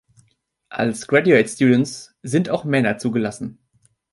Als Graduate Students sind auch Männer zugelassen.